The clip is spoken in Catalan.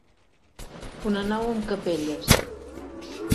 Una nau amb capelles.